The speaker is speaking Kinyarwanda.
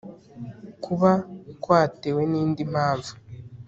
kuba kwatewe n'indi mpamvu